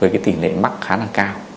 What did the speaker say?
cái tỉ lệ mắc khá là cao